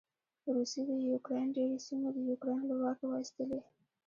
روسې د يوکراین ډېرې سېمې د یوکراين له واکه واېستلې.